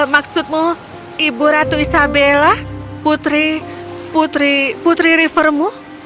maksudmu ibu ratu isabella putri putri putri rivermu